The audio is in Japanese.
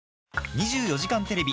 『２４時間テレビ』